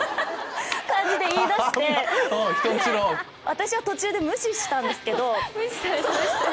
私は途中で無視したんですけど。